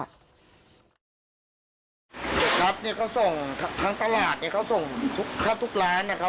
ทุกคนนี้เขาส่งทั้งตลาดนี่ข้าบทุกแรงเลยครับ